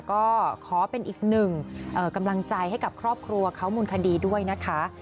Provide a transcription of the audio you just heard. ก็ขอเป็นอีกหนึ่งกำลังใจให้กับครอบครัวเขามูลคดีด้วยนะคะ